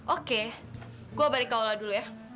oke gue balik ke aula dulu ya